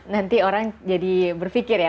nanti orang jadi berpikir ya